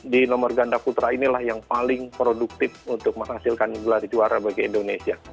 di nomor ganda putra inilah yang paling produktif untuk menghasilkan gelar juara bagi indonesia